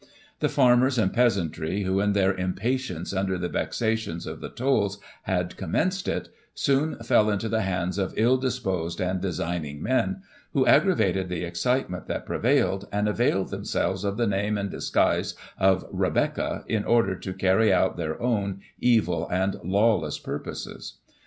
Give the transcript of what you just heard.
The farmers and peasantry, who in their impatience under the vexations of the tolls, had commenced it, soon fell into the hands of ill disposed and designing men, who aggravated the excitement that prevailed, and availed them selves of the name and disguise of " Rebecca," in order to carry out their own evil and lawless purposes.